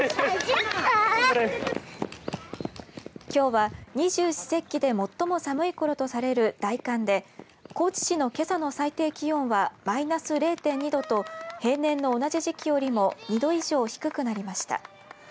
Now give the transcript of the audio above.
きょうは、二十四節気で最も寒いころとされる大寒で高知市のけさの最低気温はマイナス０．２度と平年の同じ時期よりも２度以上低くなりました。